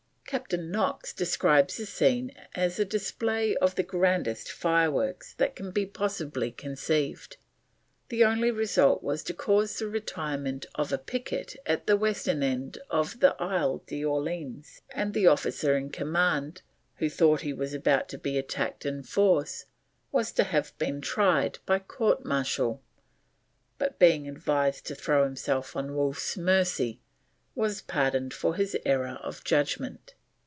Captain Knox describes the scene as a display of "the grandest fireworks that can possibly be conceived." The only result was to cause the retirement of a picket at the western end of the Ile d'Orleans, and the officer in command, who thought he was about to be attacked in force, was to have been tried by court martial, but being advised to throw himself on Wolfe's mercy, was pardoned for his error of judgment.